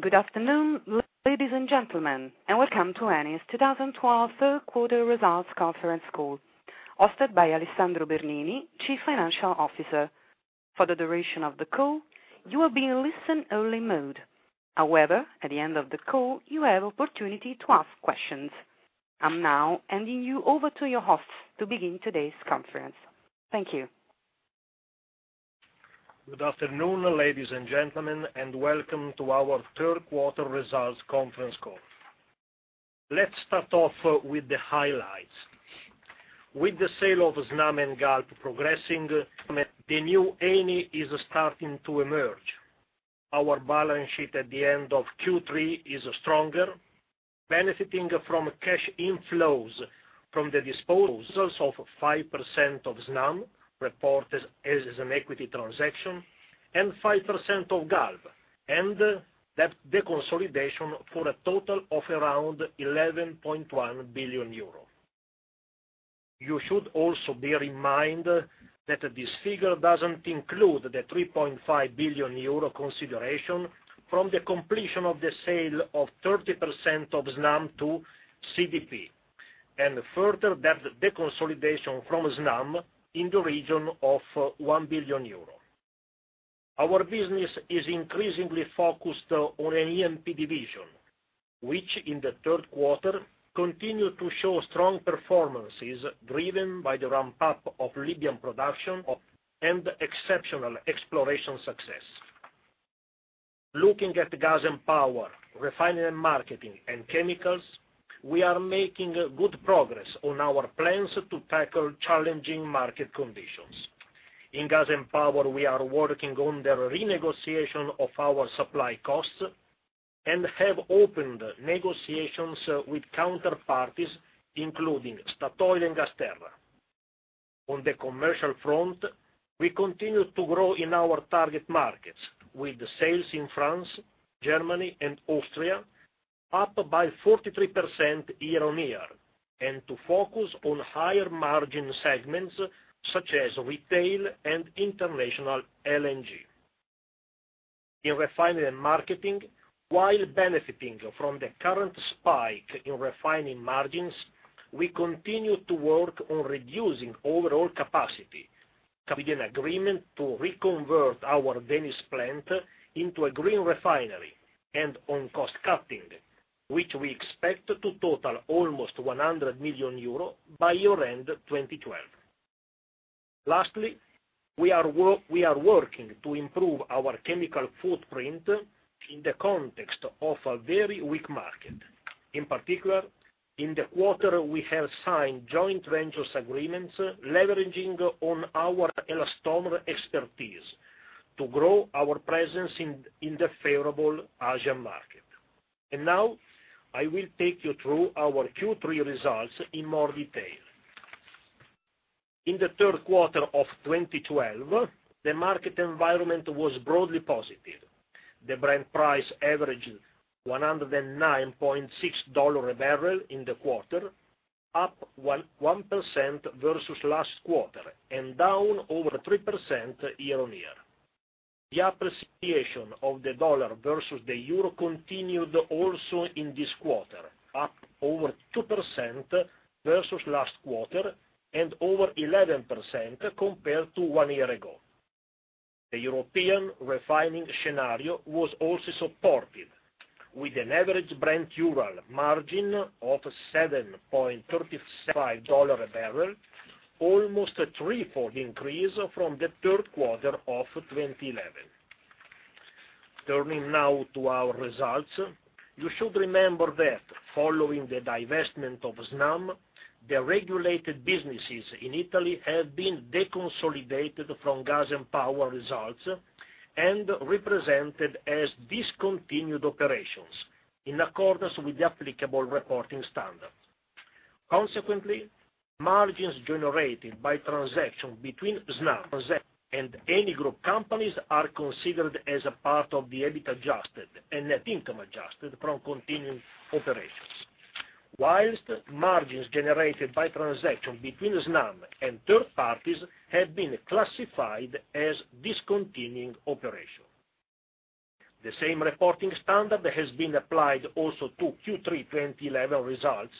Good afternoon, ladies and gentlemen, welcome to Eni's 2012 third quarter results conference call, hosted by Alessandro Bernini, Chief Financial Officer. For the duration of the call, you will be in listen only mode. However, at the end of the call, you have opportunity to ask questions. I'm now handing you over to your host to begin today's conference. Thank you. Good afternoon, ladies and gentlemen, welcome to our third quarter results conference call. Let's start off with the highlights. With the sale of Snam and Galp progressing, the new Eni is starting to emerge. Our balance sheet at the end of Q3 is stronger, benefiting from cash inflows from the disposals of 5% of Snam, reported as an equity transaction, and 5% of Galp, and that deconsolidation for a total of around 11.1 billion euros. You should also bear in mind that this figure doesn't include the 3.5 billion euro consideration from the completion of the sale of 30% of Snam to CDP, and further that deconsolidation from Snam in the region of 1 billion euro. Our business is increasingly focused on an E&P division, which in the third quarter, continued to show strong performances driven by the ramp-up of Libyan production and exceptional exploration success. Looking at the gas and power, refining and marketing, and chemicals, we are making good progress on our plans to tackle challenging market conditions. In gas and power, we are working on the renegotiation of our supply costs and have opened negotiations with counterparties, including Statoil and GasTerra. On the commercial front, we continue to grow in our target markets with sales in France, Germany, and Austria up by 43% year-on-year, and to focus on higher margin segments such as retail and international LNG. In refinery and marketing, while benefiting from the current spike in refining margins, we continue to work on reducing overall capacity with an agreement to reconvert our Venice plant into a green refinery and on cost cutting, which we expect to total almost 100 million euro by year-end 2012. Lastly, we are working to improve our chemical footprint in the context of a very weak market. In particular, in the quarter, we have signed joint ventures agreements leveraging on our elastomer expertise to grow our presence in the favorable Asian market. Now, I will take you through our Q3 results in more detail. In the third quarter of 2012, the market environment was broadly positive. The Brent price averaged $109.6 a barrel in the quarter, up 1% versus last quarter and down over 3% year-on-year. The appreciation of the dollar versus the euro continued also in this quarter, up over 2% versus last quarter and over 11% compared to one year ago. The European refining scenario was also supported with an average Brent/Urals margin of $7.35 a barrel, almost a threefold increase from the third quarter of 2011. Turning now to our results. You should remember that following the divestment of Snam, the regulated businesses in Italy have been deconsolidated from Gas and Power results and represented as discontinued operations in accordance with the applicable reporting standards. Consequently, margins generated by transaction between Snam and any group companies are considered as a part of the EBIT adjusted and net income adjusted from continuing operations. Whilst margins generated by transaction between Snam and third parties have been classified as discontinuing operation. The same reporting standard has been applied also to Q3 2011 results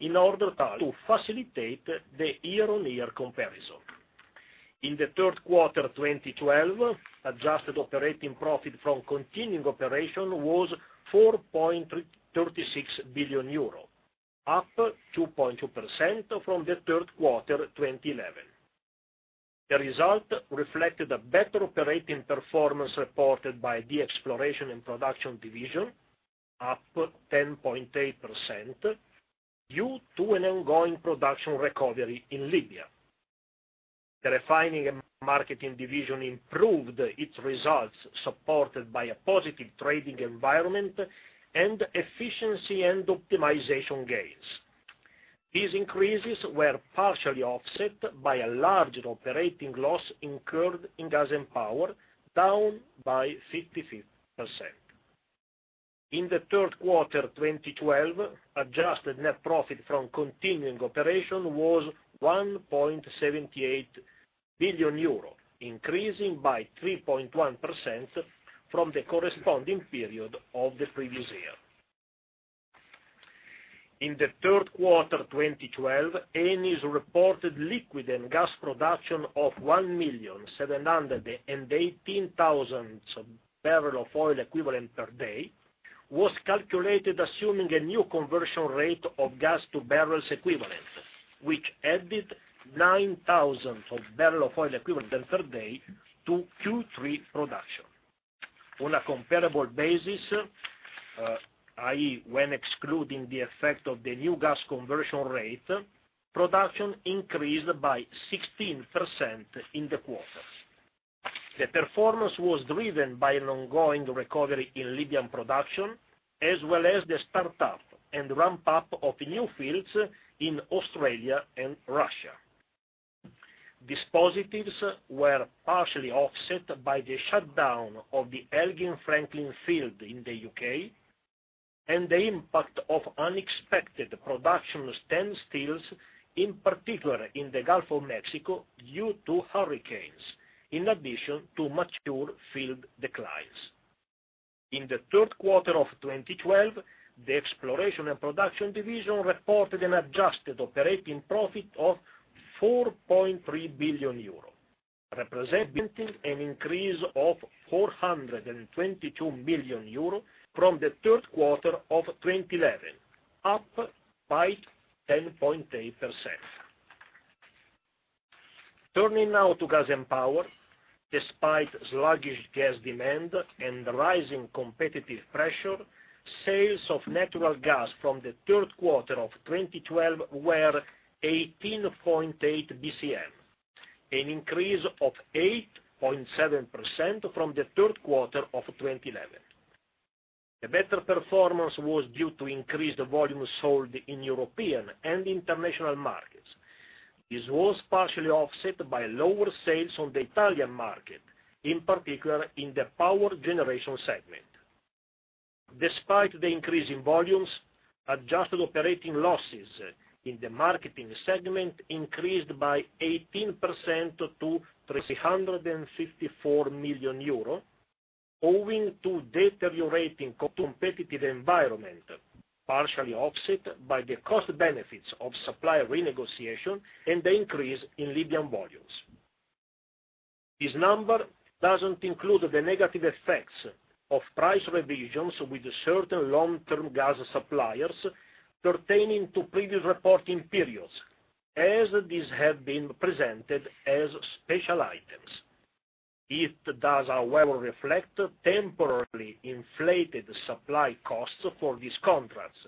in order to facilitate the year-on-year comparison. In the third quarter 2012, adjusted operating profit from continuing operation was 4.36 billion euro, up 2.2% from the third quarter 2011. The result reflected a better operating performance reported by the Exploration and Production division, up 10.8% due to an ongoing production recovery in Libya. The Refining and Marketing division improved its results, supported by a positive trading environment and efficiency and optimization gains. These increases were partially offset by a larger operating loss incurred in Gas and Power, down by 55%. In the third quarter 2012, adjusted net profit from continuing operation was 1.78 billion euro, increasing by 3.1% from the corresponding period of the previous year. In the third quarter 2012, Eni's reported liquid and gas production of 1,718,000 barrel of oil equivalent per day was calculated assuming a new conversion rate of gas to barrels equivalent, which added 9,000 of barrel of oil equivalent per day to Q3 production. On a comparable basis, i.e., when excluding the effect of the new gas conversion rate, production increased by 16% in the quarter. The performance was driven by an ongoing recovery in Libyan production, as well as the start-up and ramp-up of new fields in Australia and Russia. These positives were partially offset by the shutdown of the Elgin-Franklin field in the U.K. and the impact of unexpected production standstills, in particular in the Gulf of Mexico due to hurricanes, in addition to mature field declines. In the third quarter of 2012, the Exploration and Production division reported an adjusted operating profit of 4.3 billion euro, representing an increase of 422 million euro from the third quarter of 2011, up by 10.8%. Turning now to Gas and Power. Despite sluggish gas demand and rising competitive pressure, sales of natural gas from the third quarter of 2012 were 18.8 BCM, an increase of 8.7% from the third quarter of 2011. The better performance was due to increased volume sold in European and international markets. This was partially offset by lower sales on the Italian market, in particular in the power generation segment. Despite the increase in volumes, adjusted operating losses in the marketing segment increased by 18% to 354 million euro, owing to deteriorating competitive environment, partially offset by the cost benefits of supplier renegotiation and the increase in Libyan volumes. This number doesn't include the negative effects of price revisions with certain long-term gas suppliers pertaining to previous reporting periods, as these have been presented as special items. It does, however, reflect temporarily inflated supply costs for these contracts,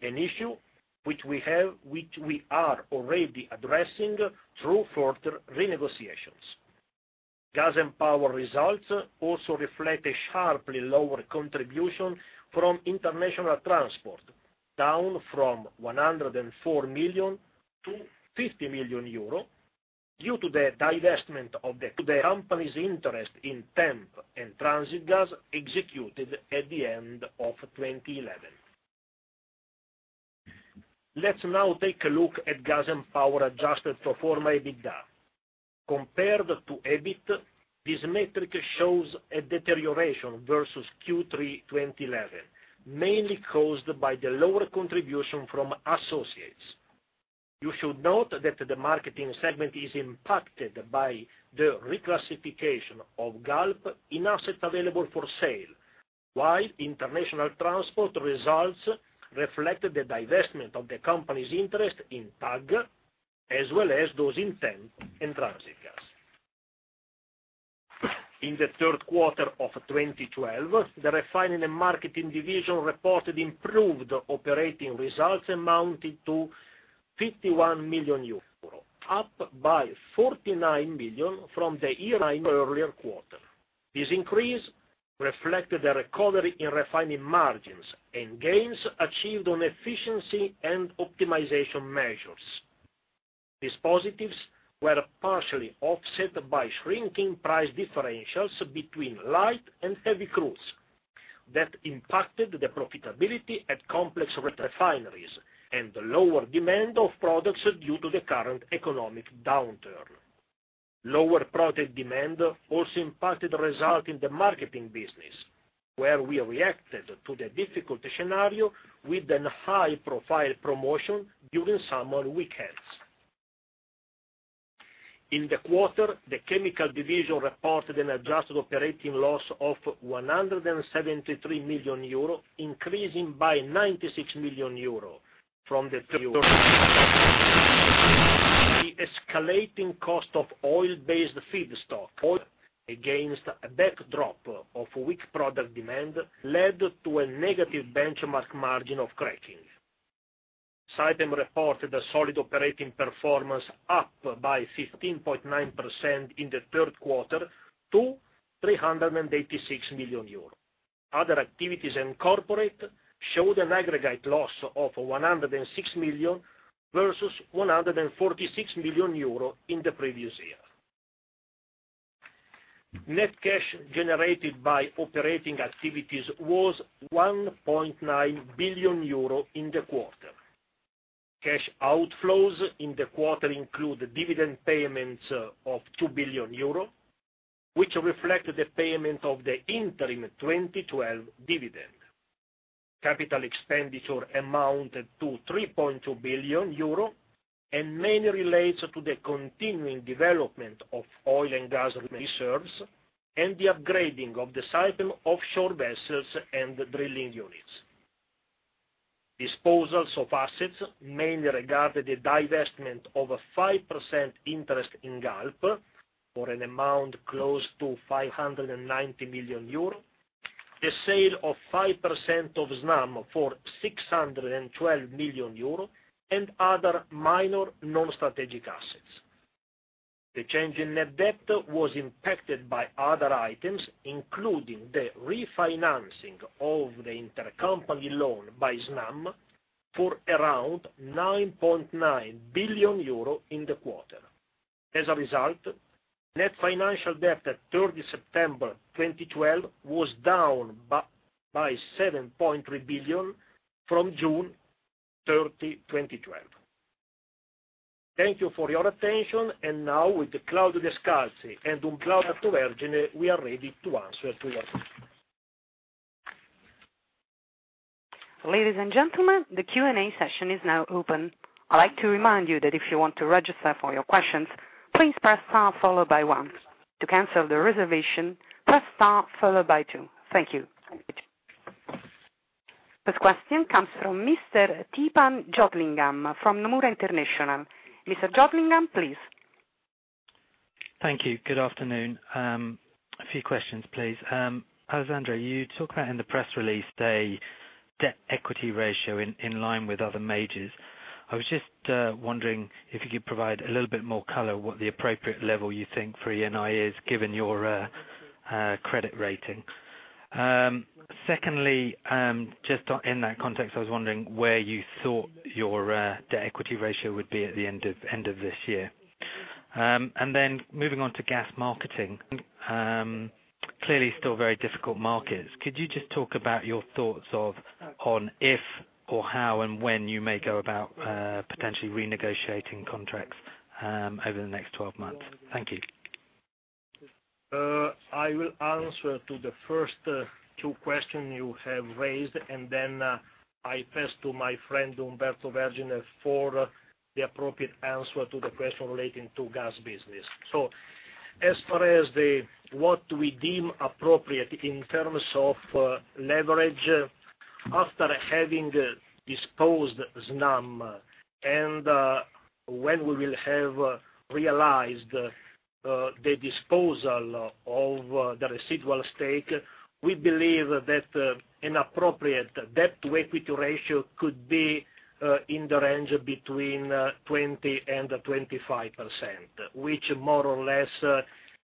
an issue which we are already addressing through further renegotiations. Gas and Power results also reflect a sharply lower contribution from international transport, down from 104 million to 50 million euro due to the divestment of the company's interest in TENP and Transitgas executed at the end of 2011. Let's now take a look at gas and power-adjusted pro forma EBITDA. Compared to EBIT, this metric shows a deterioration versus Q3 2011, mainly caused by the lower contribution from associates. You should note that the marketing segment is impacted by the reclassification of Galp in assets available for sale, while international transport results reflect the divestment of the company's interest in TAG, as well as those in TENP and Transitgas. In the third quarter of 2012, the refining and marketing division reported improved operating results amounting to 51 million euros, up by 49 million from the earlier quarter. This increase reflected a recovery in refining margins and gains achieved on efficiency and optimization measures. These positives were partially offset by shrinking price differentials between light and heavy crudes that impacted the profitability at complex refineries and lower demand of products due to the current economic downturn. Lower product demand also impacted result in the marketing business, where we reacted to the difficult scenario with a high-profile promotion during summer weekends. In the quarter, the chemical division reported an adjusted operating loss of 173 million euro, increasing by 96 million euro from the. The escalating cost of oil-based feedstock, against a backdrop of weak product demand, led to a negative benchmark margin of cracking. Saipem reported a solid operating performance up by 15.9% in the third quarter to 386 million euro. Other activities and corporate showed an aggregate loss of 106 million versus 146 million euro in the previous year. Net cash generated by operating activities was 1.9 billion euro in the quarter. Cash outflows in the quarter include dividend payments of 2 billion euro, which reflect the payment of the interim 2012 dividend. Capital expenditure amounted to 3.2 billion euro and mainly relates to the continuing development of oil and gas reserves and the upgrading of the Saipem offshore vessels and drilling units. Disposals of assets mainly regard the divestment of a 5% interest in Galp for an amount close to 590 million euro, the sale of 5% of Snam for 612 million euro, and other minor non-strategic assets. The change in net debt was impacted by other items, including the refinancing of the intercompany loan by Snam for around 9.9 billion euro in the quarter. As a result, net financial debt at 30 September 2012 was down by 7.3 billion from June 30, 2012. Thank you for your attention. Now, with Claudio Descalzi and Umberto Vergine, we are ready to answer to your questions. Ladies and gentlemen, the Q&A session is now open. I'd like to remind you that if you want to register for your questions, please press star followed by one. To cancel the reservation, press star followed by two. Thank you. First question comes from Mr. Theepan Jeganathan from Nomura International. Mr. Jeganathan, please. Thank you. Good afternoon. A few questions, please. Alessandro, you talk about in the press release, the debt-equity ratio in line with other majors. I was just wondering if you could provide a little bit more color what the appropriate level you think for Eni is, given your credit rating. Secondly, just in that context, I was wondering where you thought your debt-equity ratio would be at the end of this year. Then moving on to gas marketing, clearly still very difficult markets. Could you just talk about your thoughts on if, or how and when you may go about potentially renegotiating contracts over the next 12 months? Thank you. I will answer to the first two question you have raised. Then I pass to my friend Umberto Vergine for the appropriate answer to the question relating to gas business. As far as what we deem appropriate in terms of leverage, after having disposed Snam and when we will have realized the disposal of the residual stake, we believe that an appropriate debt-to-equity ratio could be in the range between 20% and 25%, which more or less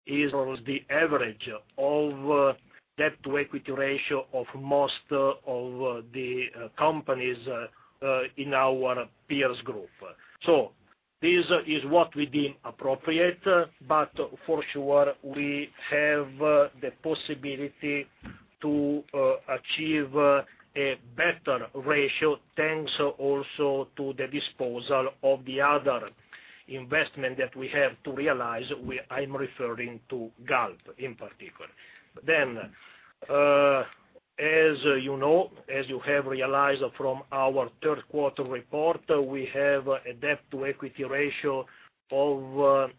is the average of debt-to-equity ratio of most of the companies in our peers group. This is what we deem appropriate, for sure, we have the possibility to achieve a better ratio thanks also to the disposal of the other investment that we have to realize. I'm referring to Galp in particular. As you know, as you have realized from our third quarter report, we have a debt-to-equity ratio of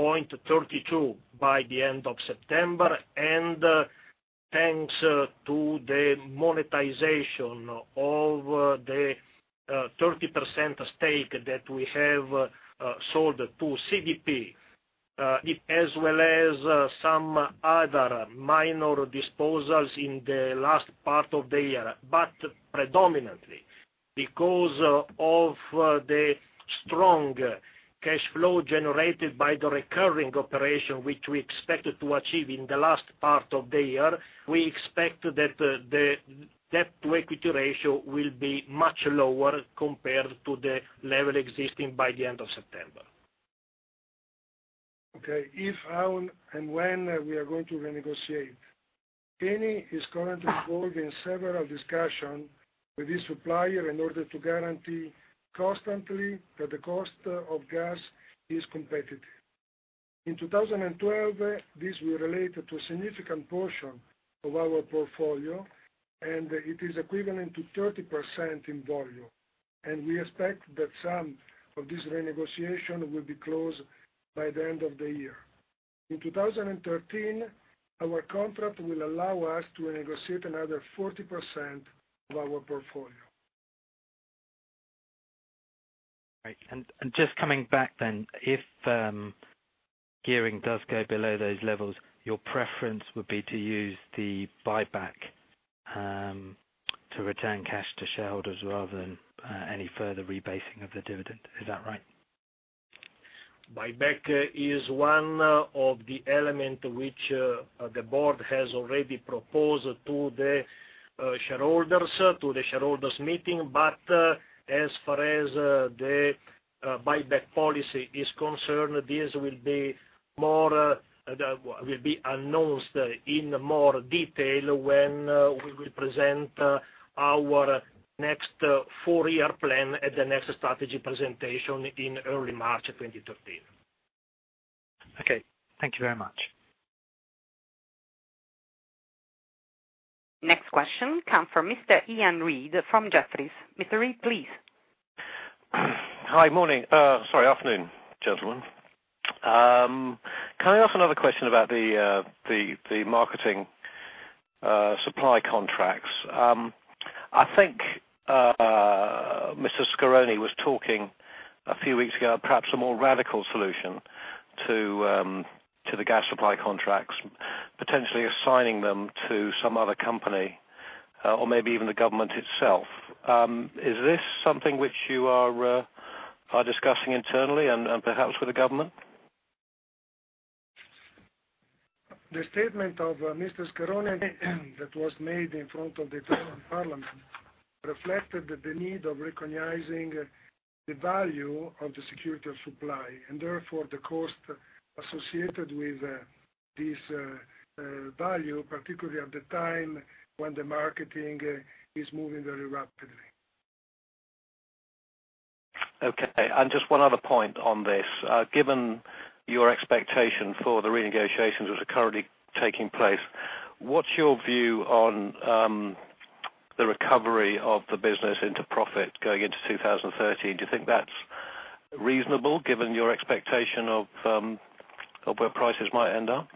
0.32 by the end of September, and thanks to the monetization of the 30% stake that we have sold to CDP, as well as some other minor disposals in the last part of the year. Predominantly because of the strong cash flow generated by the recurring operation, which we expect to achieve in the last part of the year, we expect that the debt-to-equity ratio will be much lower compared to the level existing by the end of September. Okay. If, how, and when we are going to renegotiate. Eni is currently involved in several discussion with the supplier in order to guarantee constantly that the cost of gas is competitive. In 2012, this will relate to a significant portion of our portfolio, and it is equivalent to 30% in volume. We expect that some of this renegotiation will be closed by the end of the year. In 2013, our contract will allow us to renegotiate another 40% of our portfolio. Right. Just coming back then, if gearing does go below those levels, your preference would be to use the buyback to return cash to shareholders rather than any further rebasing of the dividend. Is that right? Buyback is one of the element which the board has already proposed to the shareholders at the shareholders' meeting. As far as the buyback policy is concerned, this will be announced in more detail when we will present our next four-year plan at the next strategy presentation in early March 2013. Okay. Thank you very much. Next question come from Mr. Iain Reid from Jefferies. Mr. Reid, please. Hi. Morning. Sorry, afternoon, gentlemen. Can I ask another question about the marketing supply contracts? I think Mr. Scaroni was talking a few weeks ago, perhaps a more radical solution to the gas supply contracts, potentially assigning them to some other company or maybe even the government itself. Is this something which you are discussing internally and perhaps with the government? The statement of Mr. Scaroni that was made in front of the Italian parliament reflected the need of recognizing the value of the security of supply, and therefore the cost associated with this value, particularly at the time when the marketing is moving very rapidly. Okay. Just one other point on this. Given your expectation for the renegotiations which are currently taking place, what's your view on the recovery of the business into profit going into 2030? Do you think that's reasonable given your expectation of where prices might end up?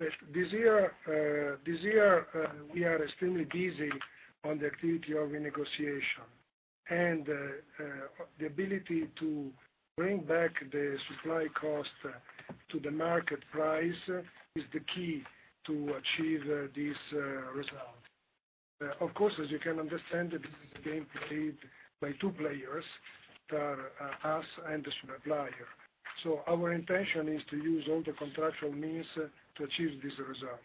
This year, we are extremely busy on the activity of renegotiation. The ability to bring back the supply cost to the market price is the key to achieve these results. Of course, as you can understand, this is a game played by two players, us and the supplier. Our intention is to use all the contractual means to achieve these results.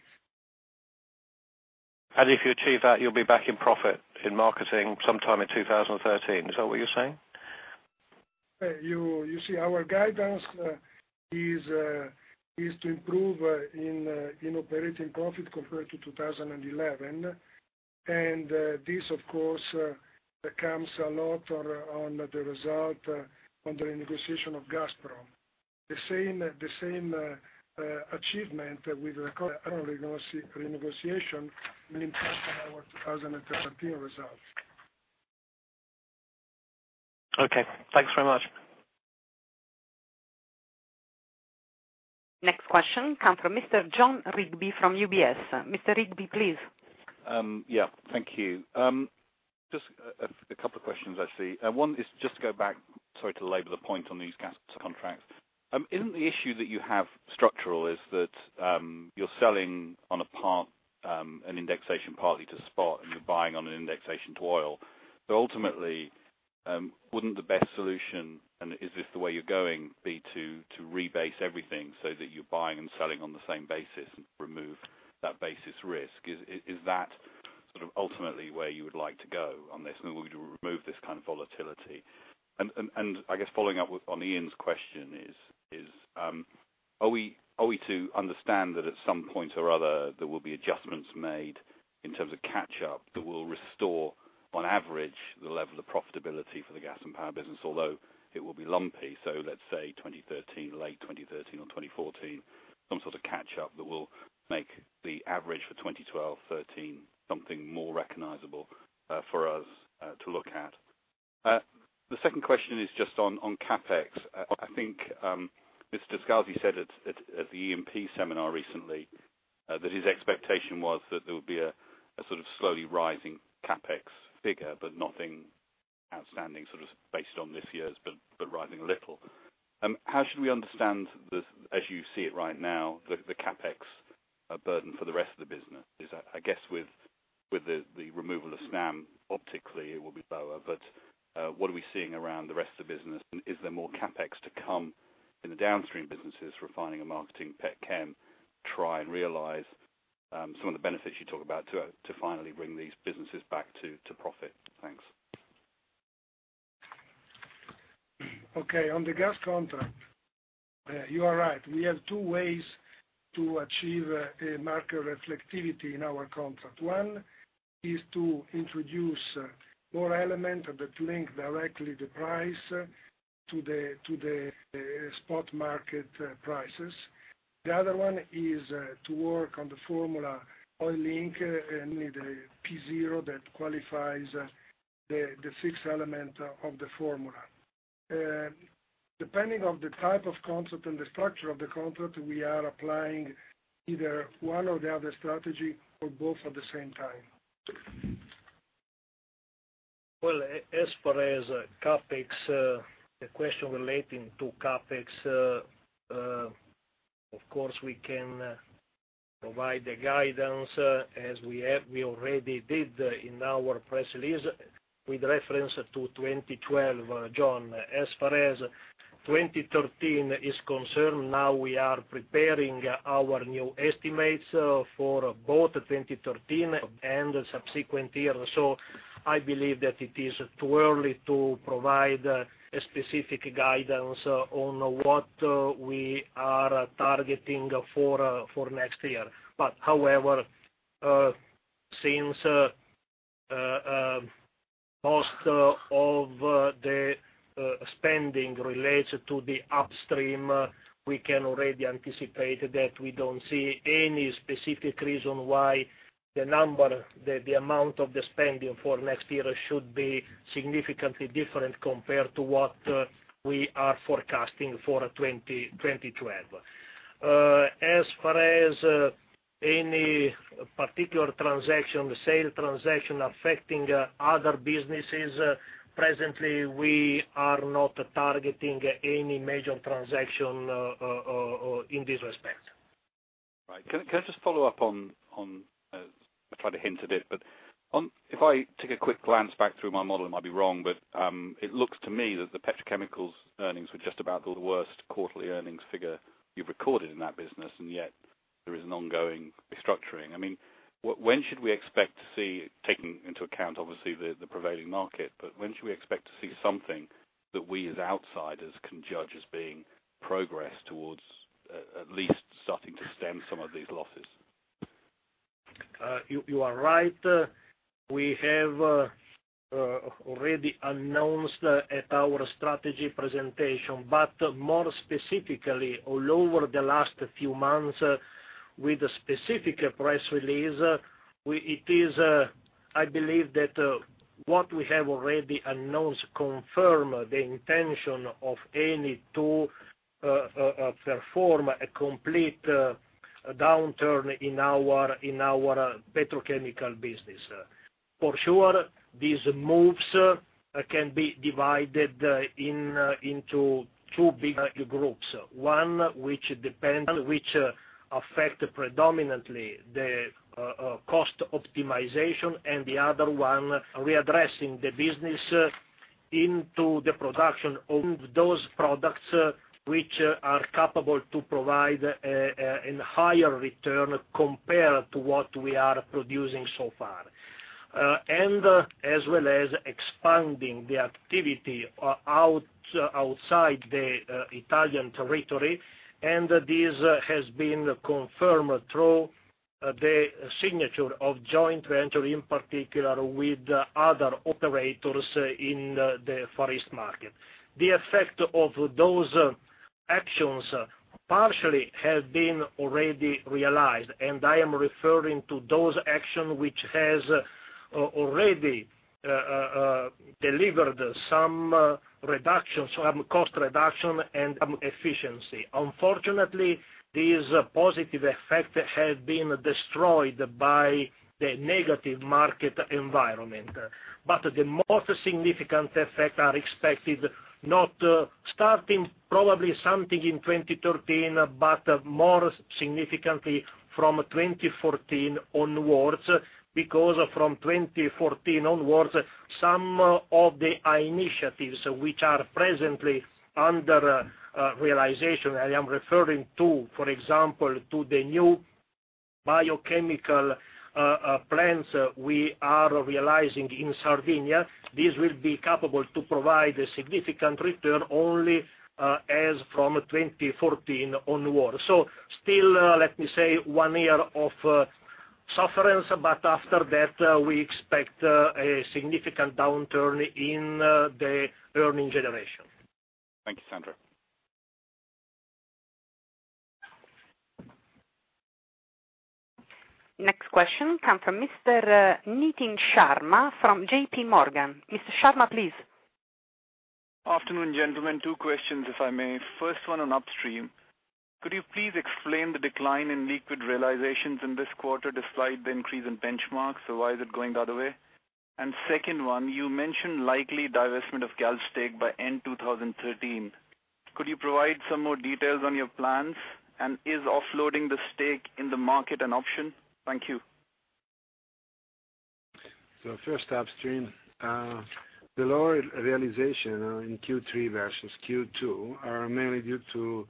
If you achieve that, you'll be back in profit in marketing sometime in 2013. Is that what you're saying? You see, our guidance is to improve in operating profit compared to 2011. This, of course, comes a lot on the result on the renegotiation of Gazprom. The same achievement with the current renegotiation will impact our 2013 results. Okay. Thanks very much. Next question come from Mr. Jon Rigby from UBS. Mr. Rigby, please. Thank you. Just a couple of questions, actually. One is just to go back, sorry to labor the point on these gas contracts. Isn't the issue that you have structural is that, you're selling on a part, an indexation partly to spot, and you're buying on an indexation to oil. Ultimately, wouldn't the best solution, and is this the way you're going, be to rebase everything so that you're buying and selling on the same basis and remove that basis risk? Is that sort of ultimately where you would like to go on this in order to remove this kind of volatility? I guess following up on Iain's question is, are we to understand that at some point or other, there will be adjustments made in terms of catch-up that will restore, on average, the level of profitability for the gas and power business, although it will be lumpy, so let's say 2013, late 2013 or 2014, some sort of catch-up that will make the average for 2012, 2013, something more recognizable, for us to look at? The second question is just on CapEx. I think, Mr. Descalzi said at the E&P seminar recently, that his expectation was that there would be a sort of slowly rising CapEx figure, but nothing outstanding, sort of based on this year's, but rising a little. How should we understand this as you see it right now, the CapEx burden for the rest of the business? I guess with the removal of Snam, optically, it will be lower, but what are we seeing around the rest of the business, and is there more CapEx to come in the downstream businesses, refining and marketing, pet chem, try and realize some of the benefits you talk about to finally bring these businesses back to profit? Thanks. On the gas contract, you are right. We have two ways to achieve a market reflectivity in our contract. One is to introduce more element that link directly the price to the spot market prices. The other one is to work on the formula oil link, namely the P0 that qualifies the fixed element of the formula. Depending on the type of contract and the structure of the contract, we are applying either one or the other strategy or both at the same time. Well, as far as the question relating to CapEx, of course, we can provide the guidance as we already did in our press release with reference to 2012, Jon. 2013 is concerned, now we are preparing our new estimates for both 2013 and the subsequent years. I believe that it is too early to provide a specific guidance on what we are targeting for next year. However, since most of the spending relates to the upstream, we can already anticipate that we don't see any specific reason why the amount of the spending for next year should be significantly different compared to what we are forecasting for 2012. As far as any particular transaction, the sale transaction affecting other businesses, presently, we are not targeting any major transaction in this respect. Right. Can I just follow up on I tried to hint a bit, if I take a quick glance back through my model, I might be wrong, it looks to me that the petrochemicals earnings were just about the worst quarterly earnings figure you've recorded in that business, and yet there is an ongoing restructuring. Taking into account obviously the prevailing market, when should we expect to see something that we, as outsiders, can judge as being progress towards, at least starting to stem some of these losses? You are right. We have already announced at our strategy presentation, more specifically, all over the last few months with a specific press release, I believe that what we have already announced confirms the intention of Eni to perform a complete downturn in our petrochemical business. For sure, these moves can be divided into two big groups. One, which affect predominantly the cost optimization, and the other one, readdressing the business into the production of those products which are capable to provide a higher return compared to what we are producing so far. As well as expanding the activity outside the Italian territory, and this has been confirmed through the signature of joint venture, in particular with other operators in the Far East market. The effect of those actions partially have been already realized, I am referring to those action which has already delivered some cost reduction and efficiency. Unfortunately, this positive effect has been destroyed by the negative market environment. The most significant effects are expected not starting probably something in 2013, but more significantly from 2014 onwards, because from 2014 onwards, some of the initiatives which are presently under realization, I am referring to, for example, to the new biochemical plants we are realizing in Sardinia. This will be capable to provide a significant return only as from 2014 onwards. Still, let me say, one year of suffering, after that, we expect a significant downturn in the earning generation. Thank you, Sandro. Next question come from Mr. Nitin Sharma from JPMorgan. Mr. Sharma, please. Afternoon, gentlemen. Two questions, if I may. First one on upstream. Could you please explain the decline in liquid realizations in this quarter, despite the increase in benchmarks? Why is it going the other way? Second one, you mentioned likely divestment of Galp stake by end 2013. Could you provide some more details on your plans? Is offloading the stake in the market an option? Thank you. First, upstream. The lower realization in Q3 versus Q2 are mainly due to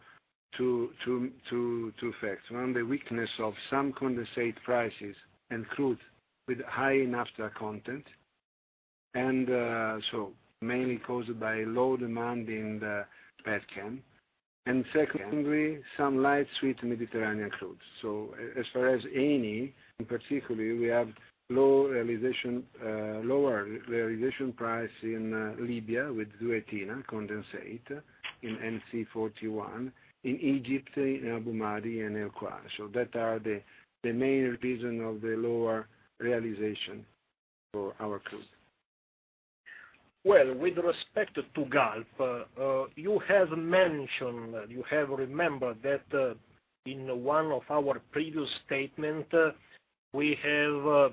two effects. One, the weakness of some condensate prices and crude with high enough content. Secondly, some light sweet Mediterranean crudes. As far as Eni, in particularly, we have lower realization price in Libya with Zueitina condensate in NC 41, in Egypt, in Abu Madi and El Qar'a. That are the main reason of the lower realization for our crude. Well, with respect to Galp, you have mentioned, you have remembered that in one of our previous statement, we have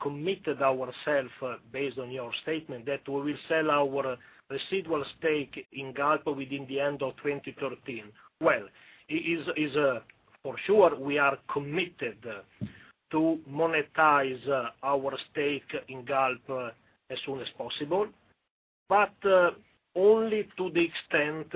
committed ourself based on your statement, that we will sell our residual stake in Galp within the end of 2013. Well, for sure, we are committed to monetize our stake in Galp as soon as possible. Only to the extent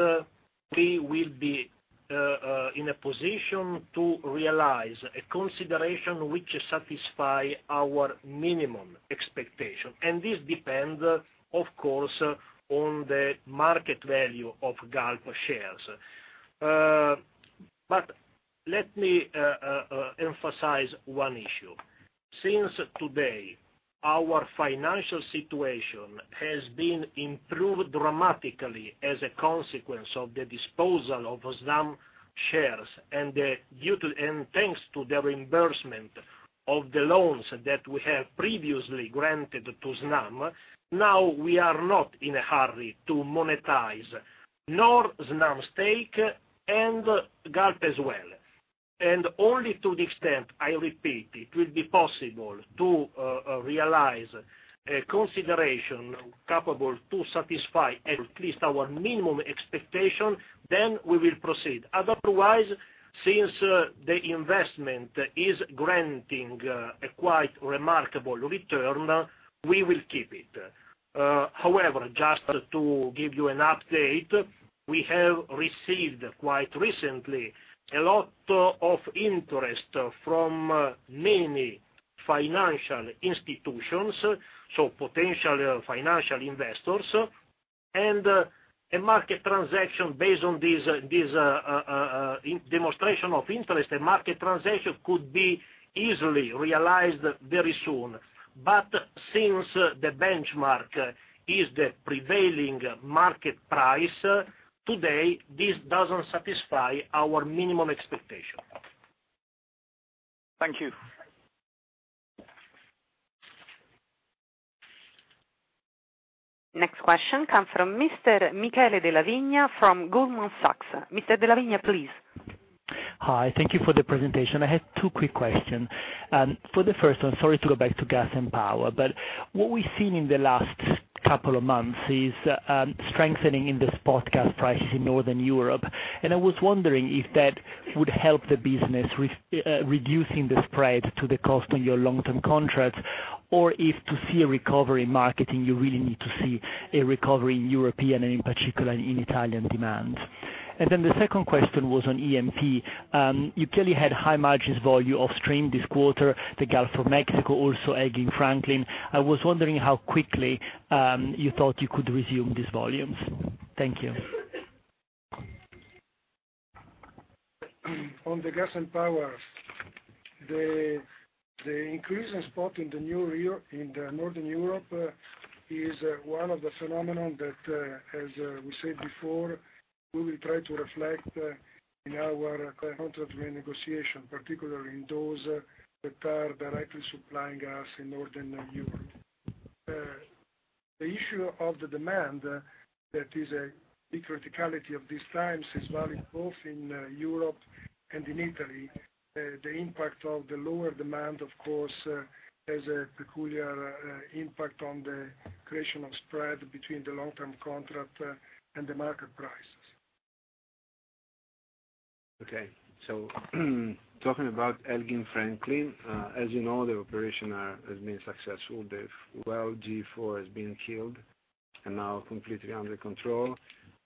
we will be in a position to realize a consideration which satisfy our minimum expectation, and this depends, of course, on the market value of Galp shares. Let me emphasize one issue. Since today, our financial situation has been improved dramatically as a consequence of the disposal of Snam shares, and thanks to the reimbursement of the loans that we have previously granted to Snam, now we are not in a hurry to monetize nor Snam's stake, and Galp as well. Only to the extent, I repeat, it will be possible to realize a consideration capable to satisfy at least our minimum expectation, then we will proceed. Otherwise, since the investment is granting a quite remarkable return, we will keep it. However, just to give you an update, we have received, quite recently, a lot of interest from many financial institutions, so potential financial investors. A market transaction based on this demonstration of interest, a market transaction could be easily realized very soon. Since the benchmark is the prevailing market price, today, this doesn't satisfy our minimum expectation. Thank you. Next question come from Mr. Michele Della Vigna from Goldman Sachs. Mr. Della Vigna, please. Hi. Thank you for the presentation. I had two quick questions. For the first one, sorry to go back to Gas & Power, what we've seen in the last couple of months is strengthening in the spot gas prices in Northern Europe, and I was wondering if that would help the business reducing the spread to the cost on your long-term contracts, or if to see a recovery in marketing, you really need to see a recovery in European, and in particular, in Italian demands. The second question was on E&P. You clearly had high margins volume offstream this quarter, the Gulf of Mexico, also Elgin-Franklin. I was wondering how quickly you thought you could resume these volumes. Thank you. On the Gas & Power, the increase in spot in the Northern Europe is one of the phenomenon that, as we said before, we will try to reflect in our contract renegotiation, particularly in those that are directly supplying gas in Northern Europe. The issue of the demand, that is a big criticality of these times, is valid both in Europe and in Italy. The impact of the lower demand, of course, has a peculiar impact on the creation of spread between the long-term contract and the market prices. Talking about Elgin-Franklin, as you know, the operation has been successful. The Well G4 has been killed and now completely under control.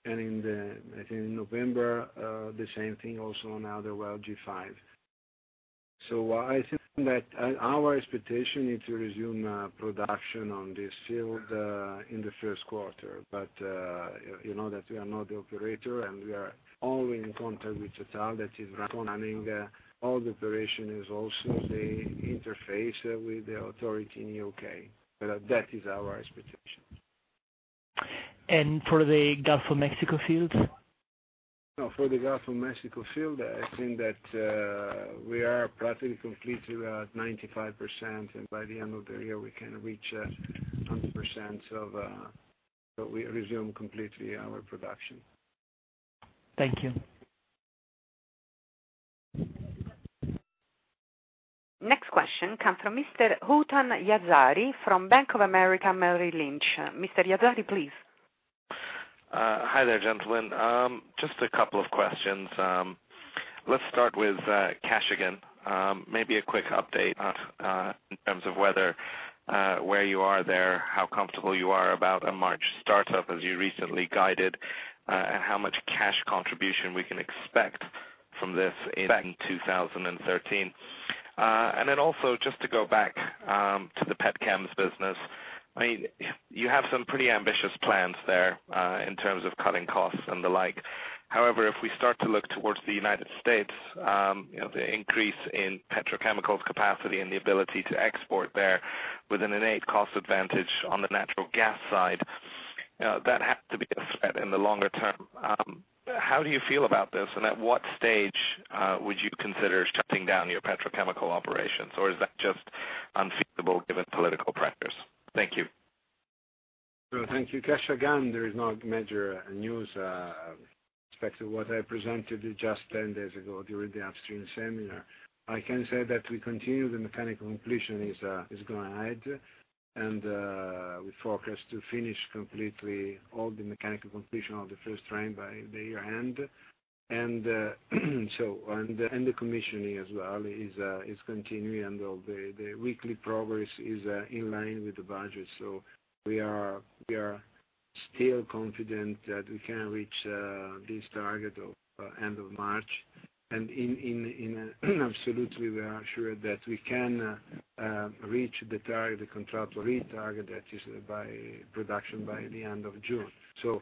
In November, the same thing also on the other Well G5. I think that our expectation is to resume production on this field in the first quarter. You know that we are not the operator, and we are only in contact with Total, that is running all the operation, is also the interface with the authority in U.K. That is our expectation. For the Gulf of Mexico field? For the Gulf of Mexico field, I think that we are practically complete to about 95%, and by the end of the year, we can reach 100%, so we resume completely our production. Thank you. Next question come from Mr. Houtan Yazhari from Bank of America Merrill Lynch. Mr. Yazhari, please. Hi there, gentlemen. Just a couple of questions. Let's start with Kashagan. Maybe a quick update in terms of where you are there, how comfortable you are about a March startup as you recently guided, and how much cash contribution we can expect from this in 2013. Then also, just to go back to the pet chems business. You have some pretty ambitious plans there, in terms of cutting costs and the like. However, if we start to look towards the United States, the increase in petrochemical capacity and the ability to export there with an innate cost advantage on the natural gas side, that had to be a threat in the longer term. How do you feel about this, and at what stage would you consider shutting down your petrochemical operations? Is that just unfeasible given political pressures? Thank you. Thank you. Kashagan, there is no major news with respect to what I presented just 10 days ago during the upstream seminar. I can say that we continue, the mechanical completion is going ahead, and we forecast to finish completely all the mechanical completion of the first train by year end. The commissioning as well is continuing, and the weekly progress is in line with the budget. We are still confident that we can reach this target of end of March, and absolutely, we are sure that we can reach the contract read target, that is production by the end of June. So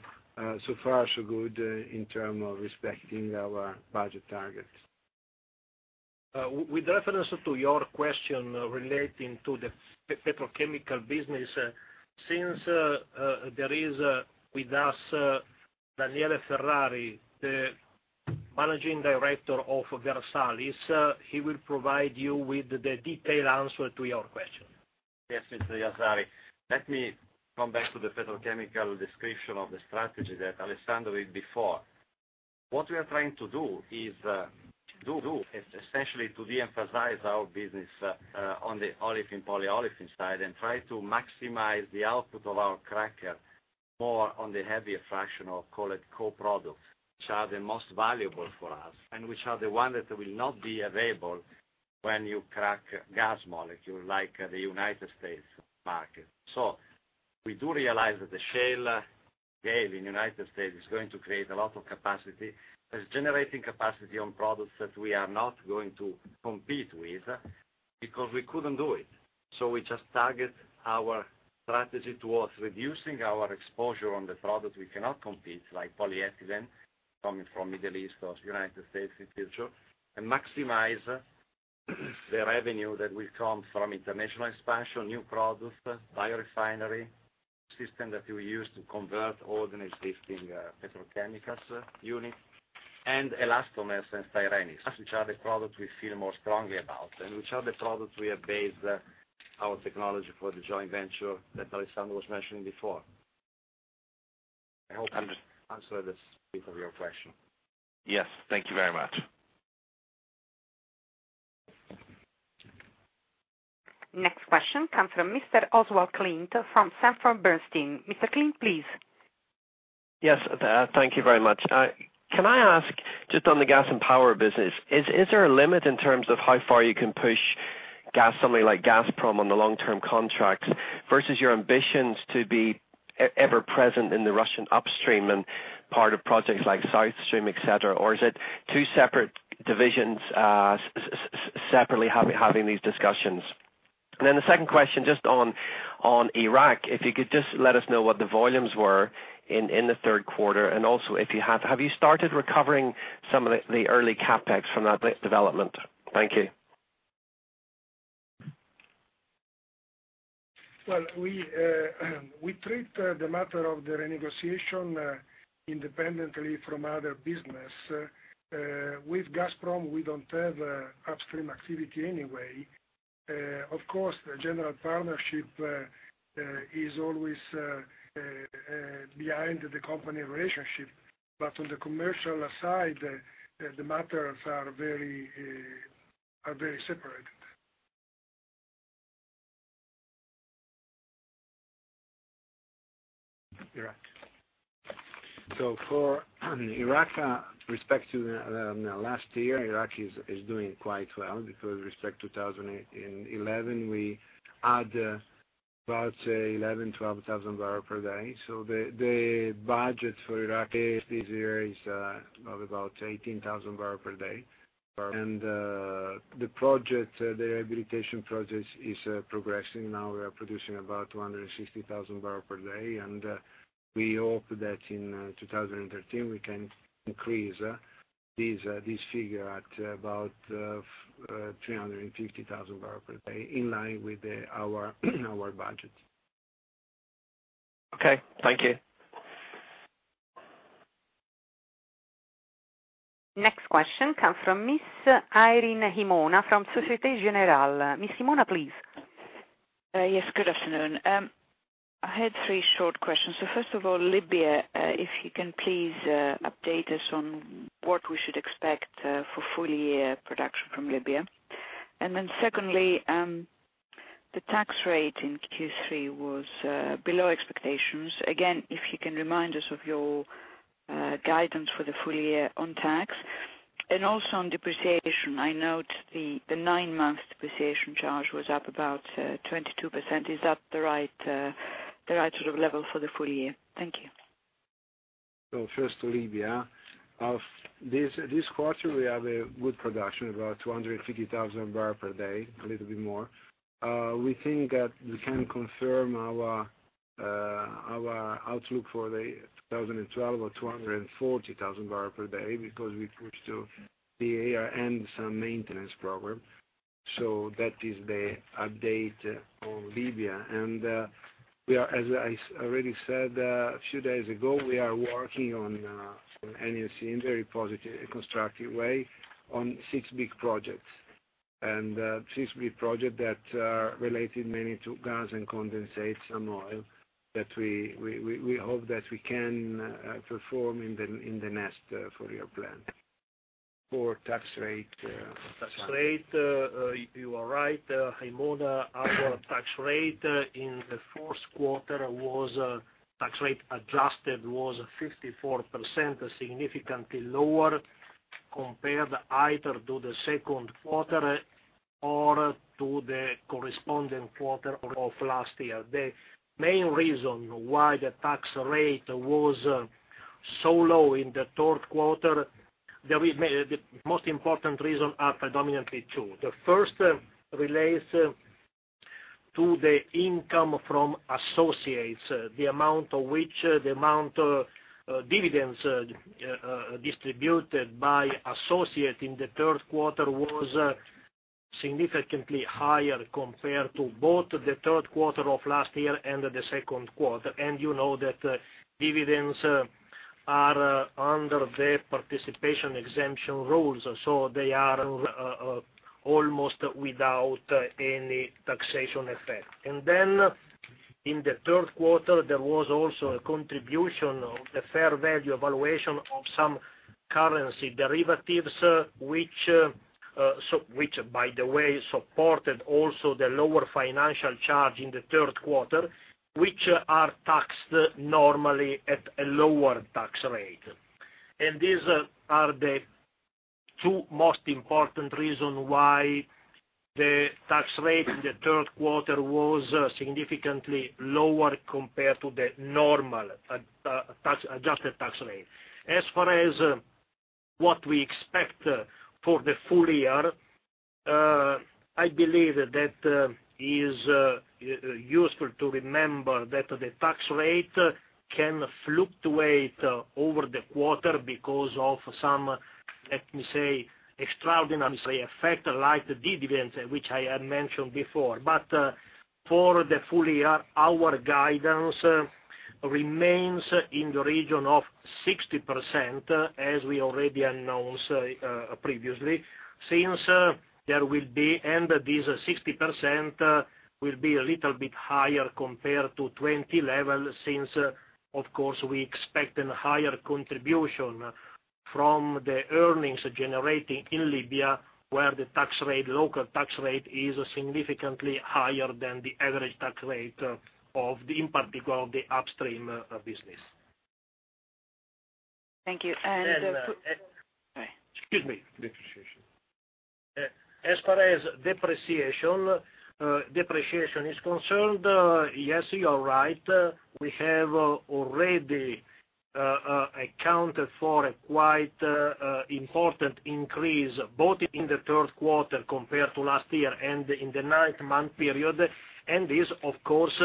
far, so good in terms of respecting our budget targets. With reference to your question relating to the petrochemical business, since there is with us Daniele Ferrari, the Managing Director of Versalis, he will provide you with the detailed answer to your question. Yes, Mr. Yazhari. Let me come back to the petrochemical description of the strategy that Alessandro read before. What we are trying to do is especially to reemphasize our business on the olefin, polyolefin side, and try to maximize the output of our cracker more on the heavier fraction or call it co-products, which are the most valuable for us, and which are the ones that will not be available when you crack gas molecules like the United States market. We do realize that the shale gas in the United States is going to create a lot of capacity. It's generating capacity on products that we are not going to compete with because we couldn't do it. We just target our strategy towards reducing our exposure on the products we cannot compete, like polyethylene, coming from Middle East or United States in future. Maximize the revenue that will come from international expansion, new products, biorefinery system that we use to convert all the existing petrochemicals unit, and elastomers and styrenics, which are the products we feel more strongly about, and which are the products we have based our technology for the joint venture that Alessandro was mentioning before. I hope I answered your question. Yes. Thank you very much. Next question comes from Mr. Oswald Clint from Sanford C. Bernstein. Mr. Clint, please. Yes, thank you very much. Can I ask just on the gas and power business, is there a limit in terms of how far you can push gas, somebody like Gazprom on the long-term contracts, versus your ambitions to be ever present in the Russian upstream and part of projects like South Stream, et cetera? Or is it two separate divisions separately having these discussions? The second question, just on Iraq, if you could just let us know what the volumes were in the third quarter, and also have you started recovering some of the early CapEx from that development? Thank you. Well, we treat the matter of the renegotiation independently from other business. With Gazprom, we don't have upstream activity anyway. Of course, the general partnership is always behind the company relationship. On the commercial side, the matters are very separated. Iraq. For Iraq, respect to last year, Iraq is doing quite well because respect to 2011, we add about 11,000, 12,000 barrel per day. The budget for Iraq this year is of about 18,000 barrel per day. The rehabilitation process is progressing. Now we are producing about 260,000 barrel per day, and we hope that in 2013, we can increase this figure at about 350,000 barrel per day, in line with our budget. Okay. Thank you. Next question comes from Miss Irene Himona from Societe Generale. Ms. Himona, please. Yes, good afternoon. I had three short questions. First of all, Libya, if you can please update us on what we should expect for full year production from Libya. Secondly, the tax rate in Q3 was below expectations. Again, if you can remind us of your guidance for the full year on tax. Also on depreciation, I note the nine-month depreciation charge was up about 22%. Is that the right sort of level for the full year? Thank you. First, Libya. This quarter, we have a good production, about 250,000 barrel per day, a little bit more. We think that we can confirm our outlook for the 2012 of 240,000 barrel per day because we push to the year end some maintenance program. That is the update on Libya. As I already said a few days ago, we are working on NOC in very positive, constructive way on six big projects. Six big project that are related mainly to gas and condensate, some oil, that we hope that we can perform in the next full year plan. For tax rate. Tax rate, you are right, Himona. Our tax rate in the first quarter, tax rate adjusted was 54%, significantly lower compared either to the second quarter or to the corresponding quarter of last year. The main reason why the tax rate was so low in the third quarter, the most important reason are predominantly two. The first relates to the income from associates. The amount of dividends distributed by associate in the third quarter was significantly higher compared to both the third quarter of last year and the second quarter. You know that dividends are under the participation exemption rules, so they are almost without any taxation effect. In the third quarter, there was also a contribution of the fair value evaluation of some currency derivatives, which by the way, supported also the lower financial charge in the third quarter, which are taxed normally at a lower tax rate. These are the two most important reason why the tax rate in the third quarter was significantly lower compared to the normal adjusted tax rate. As far as what we expect for the full year, I believe that is useful to remember that the tax rate can fluctuate over the quarter because of some, let me say, extraordinary effect like the dividends, which I had mentioned before. For the full year, our guidance remains in the region of 60%, as we already announced previously. This 60% will be a little bit higher compared to 2020 level, since of course, we expect a higher contribution from the earnings generating in Libya, where the local tax rate is significantly higher than the average tax rate, in particular of the upstream business. Thank you. Excuse me. Depreciation. As far as depreciation is concerned, yes, you're right. We have already accounted for a quite important increase, both in the third quarter compared to last year and in the nine-month period. This, of course,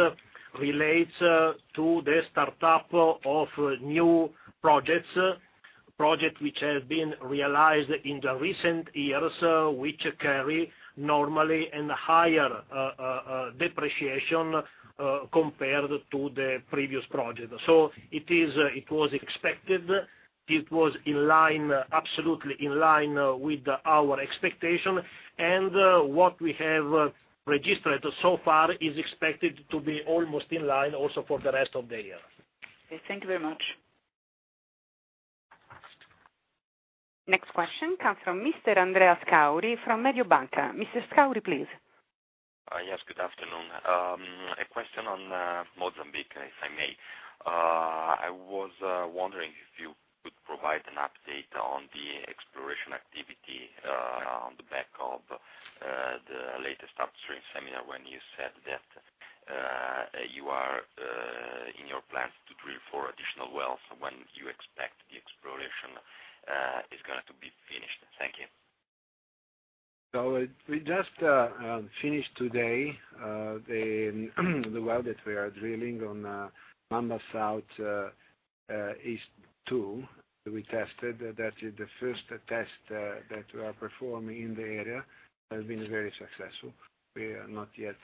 relates to the startup of new projects. Project which has been realized in the recent years, which carry normally a higher depreciation compared to the previous project. It was expected, it was absolutely in line with our expectation. What we have registered so far is expected to be almost in line also for the rest of the year. Okay. Thank you very much. Next question comes from Mr. Andrea Scauri from Mediobanca. Mr. Scauri, please. Yes, good afternoon. A question on Mozambique, if I may. I was wondering if you could provide an update on the exploration activity on the back of the latest upstream seminar when you said that you are in your plans to drill for additional wells, when you expect the exploration is going to be finished. Thank you. We just finished today, the well that we are drilling on Mamba South East 2, we tested. That is the first test that we are performing in the area, has been very successful. We have not yet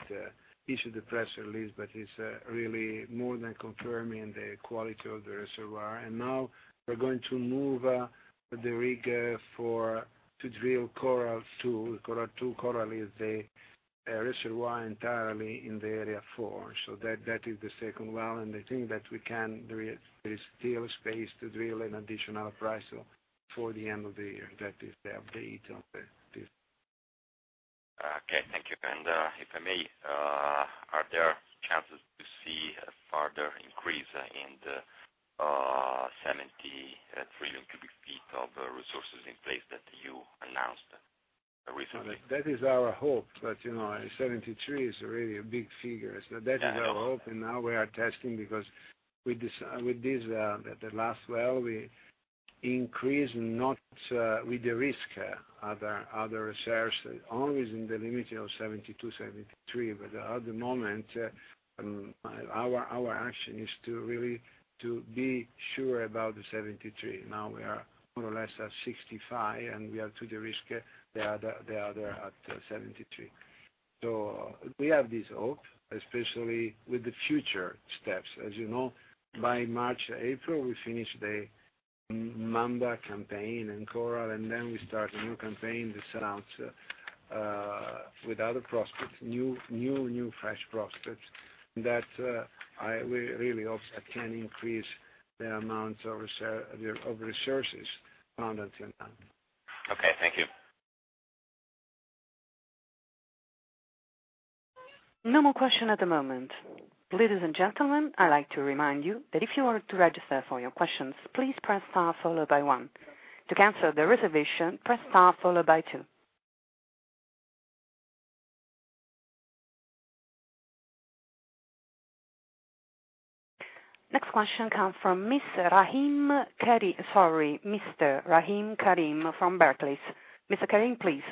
issued the press release, but it's really more than confirming the quality of the reservoir. Now we're going to move the rig to drill Coral 2. Coral 2. Coral is the reservoir entirely in the Area 4. That is the second well, and I think that there is still space to drill an additional well for the end of the year. That is the update on this. Okay, thank you. If I may, are there chances to see a further increase in the 73 million cubic feet of resources in place that you announced recently? That is our hope. 73 is really a big figure. That is our hope. Now we are testing because with the last well, we increase not with the risk other reserves, always in the limit of 72, 73. At the moment, our action is to really be sure about the 73. Now we are more or less at 65, and we are to de-risk the other at 73. We have this hope, especially with the future steps. As you know, by March, April, we finish the Mamba campaign and Coral, we start a new campaign, the South Without a prospect, new fresh prospects that we really hope can increase the amount of resources found until now. Okay, thank you. No more question at the moment. Ladies and gentlemen, I'd like to remind you that if you want to register for your questions, please press star followed by one. To cancel the reservation, press star followed by two. Next question comes from Mr. Rahim Karim from Barclays. Mr. Karim, please.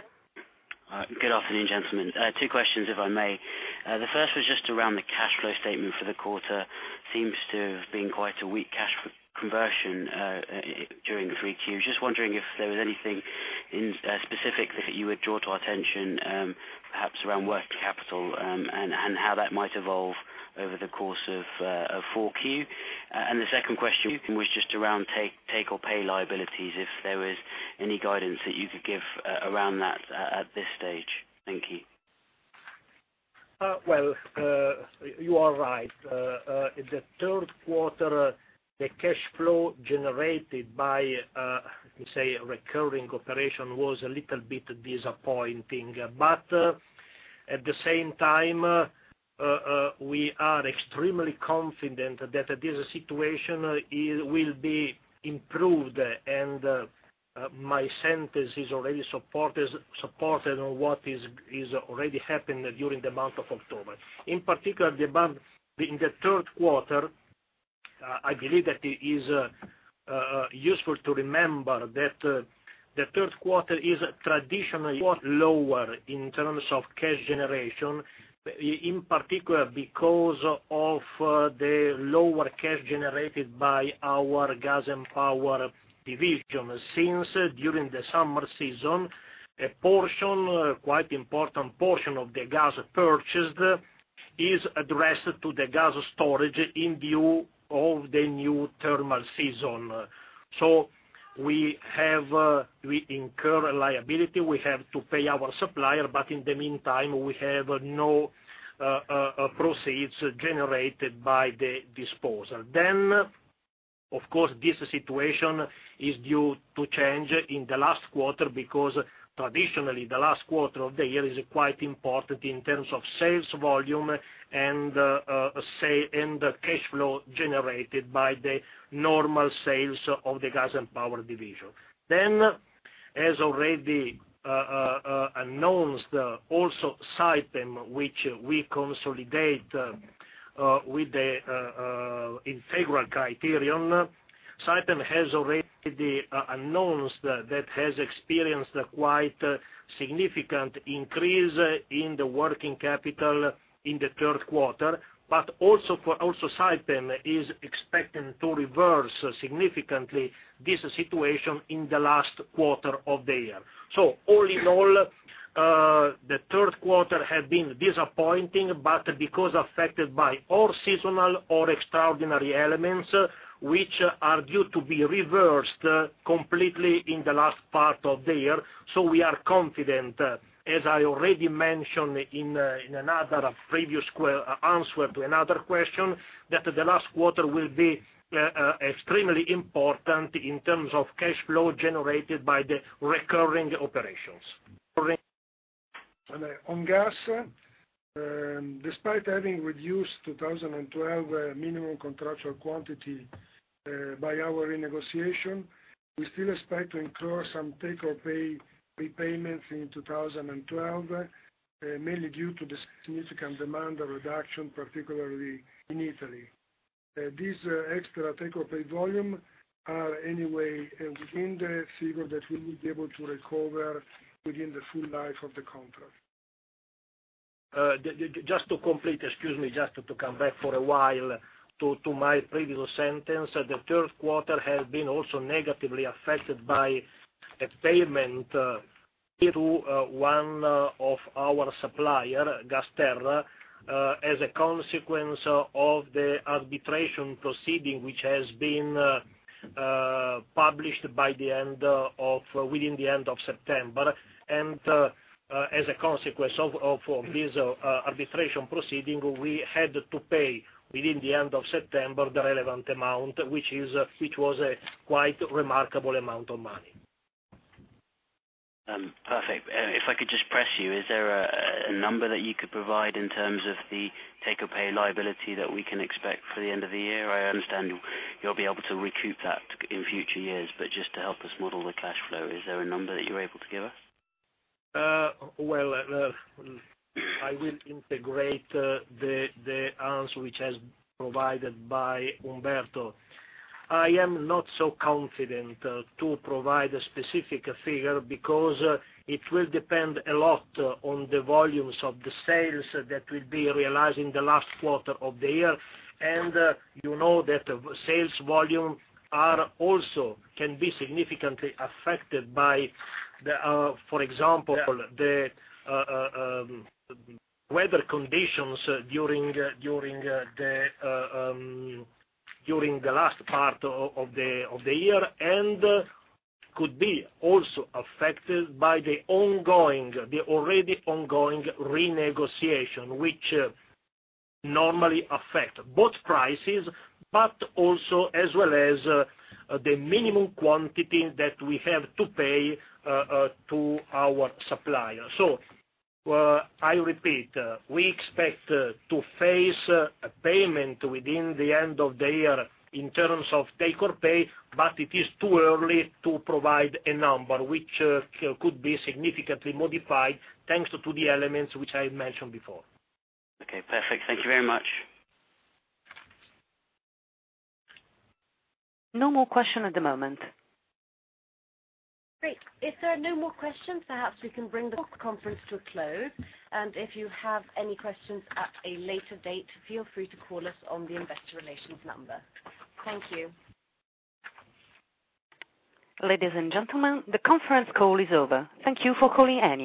Good afternoon, gentlemen. Two questions, if I may. The first was just around the cash flow statement for the quarter, seems to have been quite a weak cash conversion during the 3Q. Just wondering if there was anything specific that you would draw to our attention, perhaps around working capital, and how that might evolve over the course of 4Q. The second question was just around take-or-pay liabilities, if there was any guidance that you could give around that at this stage. Thank you. Well, you are right. The third quarter, the cash flow generated by, let me say, recurring operation was a little bit disappointing. At the same time, we are extremely confident that this situation will be improved, My sentence is already supported on what is already happened during the month of October. In particular, in the third quarter, I believe that it is useful to remember that the third quarter is traditionally lower in terms of cash generation, in particular, because of the lower cash generated by our gas and power division. Since, during the summer season, a quite important portion of the gas purchased is addressed to the gas storage in view of the new thermal season. We incur a liability, we have to pay our supplier, but in the meantime, we have no proceeds generated by the disposal. Of course, this situation is due to change in the last quarter because traditionally the last quarter of the year is quite important in terms of sales volume and the cash flow generated by the normal sales of the Gas & Power Division. As already announced, also Saipem, which we consolidate with the integral criterion. Saipem has already announced that it has experienced quite significant increase in the working capital in the third quarter, also Saipem is expecting to reverse significantly this situation in the last quarter of the year. All in all, the third quarter had been disappointing, because affected by all seasonal or extraordinary elements, which are due to be reversed completely in the last part of the year. We are confident, as I already mentioned in another previous answer to another question, that the last quarter will be extremely important in terms of cash flow generated by the recurring operations. On gas, despite having reduced 2012 minimum contractual quantity by our renegotiation, we still expect to incur some take-or-pay repayments in 2012, mainly due to the significant demand reduction, particularly in Italy. These extra take-or-pay volume are anyway within the figure that we will be able to recover within the full life of the contract. Just to complete, excuse me, just to come back for a while to my previous sentence. The third quarter has been also negatively affected by a payment to one of our supplier, GasTerra, as a consequence of the arbitration proceeding, which has been published within the end of September. As a consequence of this arbitration proceeding, we had to pay within the end of September, the relevant amount, which was a quite remarkable amount of money. Perfect. If I could just press you, is there a number that you could provide in terms of the take-or-pay liability that we can expect for the end of the year? I understand you'll be able to recoup that in future years, but just to help us model the cash flow, is there a number that you're able to give us? Well, I will integrate the answer which has been provided by Umberto. I am not so confident to provide a specific figure because it will depend a lot on the volumes of the sales that we'll be realizing the last quarter of the year. You know that sales volume also can be significantly affected by, for example, the weather conditions during the last part of the year. Could be also affected by the already ongoing renegotiation, which normally affect both prices, but also as well as the minimum quantity that we have to pay to our supplier. I repeat, we expect to face a payment within the end of the year in terms of take-or-pay, but it is too early to provide a number, which could be significantly modified, thanks to the elements which I mentioned before. Okay, perfect. Thank you very much. No more question at the moment. Great. If there are no more questions, perhaps we can bring the conference to a close. If you have any questions at a later date, feel free to call us on the investor relations number. Thank you. Ladies and gentlemen, the conference call is over. Thank you for calling in.